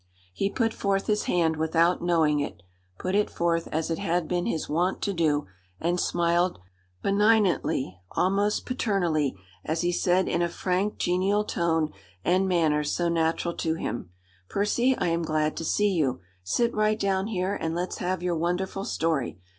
He put forth his hand without knowing it put it forth as it had been his wont to do, and smiled benignantly, almost paternally, as he said in a frank, genial tone and manner so natural to him: "Percy, I am glad to see you. Sit right down here, and let's have your wonderful story.